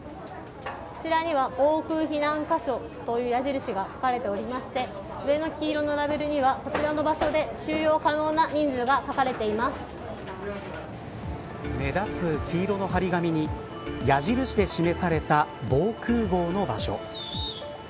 こちらには、防空避難箇所という矢印が書かれておりまして上の黄色のラベルにはこちらの場所で収容可能な人数が目立つ黄色の張り紙に矢印で示された防空壕の場所。